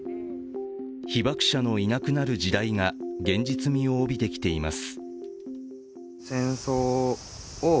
被爆者のいなくなる時代が現実味を帯びています。